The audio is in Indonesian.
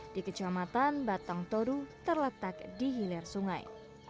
di kecamatan batang toru terletak di hilir sungai